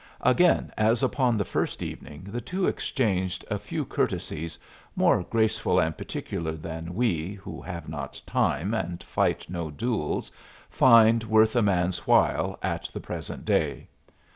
Again, as upon the first evening, the two exchanged a few courtesies, more graceful and particular than we, who have not time, and fight no duels, find worth a man's while at the present day.